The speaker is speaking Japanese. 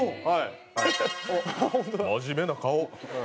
はい。